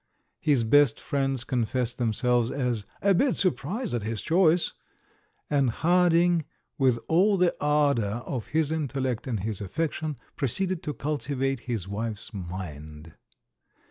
His best friends confessed them selves "a bit surprised at his choice"; and Hard ing, with all the ardour of his intellect and his affection, proceeded to cultivate his wife's mind.